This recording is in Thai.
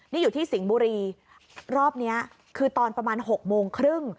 นี่อยู่ที่สิงห์บุรีรอบนี้คือตอนประมาณ๖โมงครึ่ง